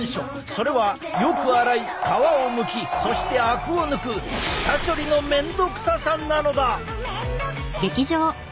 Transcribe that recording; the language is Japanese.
それはよく洗い皮をむきそしてあくを抜く下処理の面倒くささなのだ！